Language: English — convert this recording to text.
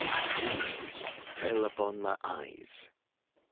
Dreams fell upon my eyes.